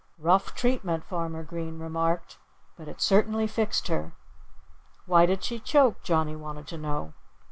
"Rough treatment!" Farmer Green remarked. "But it certainly fixed her." "Why did she choke?" Johnnie wanted to know.